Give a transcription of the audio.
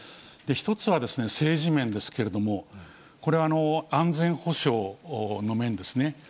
１つは政治面ですけれども、これは安全保障の面ですね。